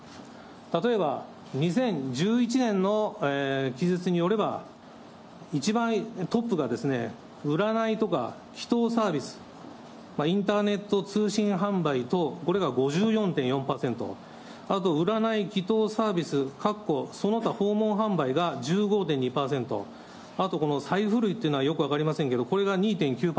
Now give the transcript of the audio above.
例えば２０１１年の記述によれば、一番トップが、占いとか祈とうサービス、インターネット通信販売等、これが５４．４％、あと占い・祈とうサービスかっこその他訪問販売が１５．２％、あとこの、財布類というのはよく分かりませんけれども、これが２．９％。